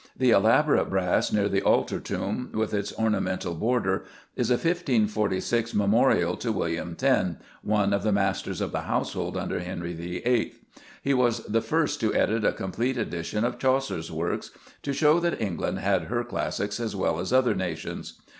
The elaborate brass near the altar tomb, with its ornamental border, is a 1546 memorial to William Thynne, one of the Masters of the Household under Henry VIII. He was the first to edit a complete edition of Chaucer's works, "to show that England had her classics as well as other nations."